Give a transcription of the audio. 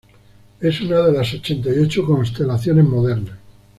Es una de las ochenta y ocho constelaciones modernas.